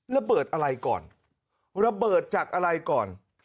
ระเบิดอะไรก่อนระเบิดจากอะไรก่อน